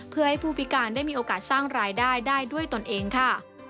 เพื่อให้ผู้พิการได้มีโอกาสสร้างรายได้ได้ด้วยตนเองค่ะ